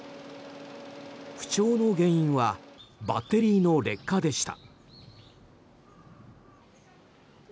不調の原因はバッテリーの劣化でした。